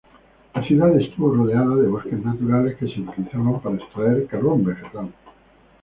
La ciudad estuvo rodeada de bosques naturales que se utilizaban para extraer carbón vegetal.